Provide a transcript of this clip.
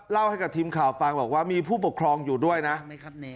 เล่าให้กับทีมข่าวฟังบอกว่ามีผู้ปกครองอยู่ด้วยนะ